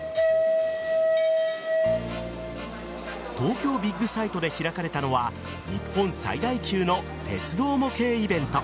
東京ビッグサイトで開かれたのは日本最大級の鉄道模型イベント。